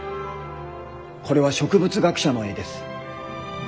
これは植物学者の絵です。